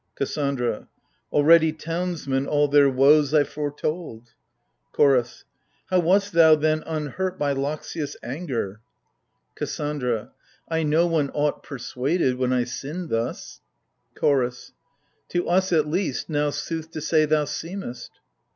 KASSANDRAv Already townsmen all their woes I foretold. CHOROS. How wast thou then unhurt by Loxias' anger ? AGAMEMNON. . 103 KASSANDRA. I no one aught persuaded, when I sinned thus. CHOROS. To us, at least, now sooth to say thou seemest.